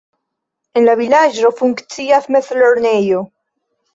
En la vilaĝo funkcias mezlernejo.